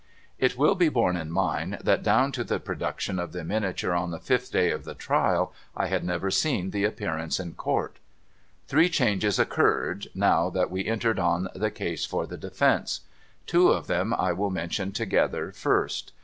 It will be borne in mind that down to the production of the miniature, on the fifth day of the trial, I had never seen the Appearance in Court. Three changes occurred now that we entered on the case for the defence. Two of them I will mention together, first.